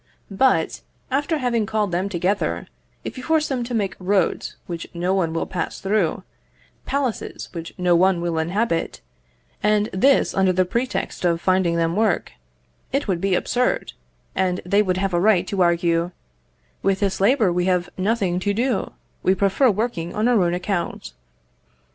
But after having called them together, if you force them to make roads which no one will pass through, palaces which no one will inhabit, and this under the pretext of finding them work, it would be absurd, and they would have a right to argue, "With this labour we have nothing to do; we prefer working on our own account."